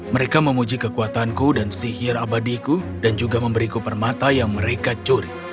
mereka memuji kekuatanku dan sihir abadiku dan juga memberiku permata yang mereka curi